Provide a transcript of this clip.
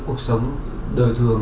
cuộc sống đời thường